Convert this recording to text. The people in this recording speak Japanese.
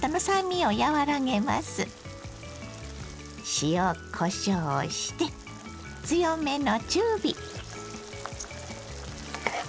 塩こしょうをして強めの中火。